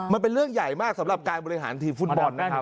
มันเป็นเรื่องใหญ่มากสำหรับการบริหารทีมฟุตบอลนะครับ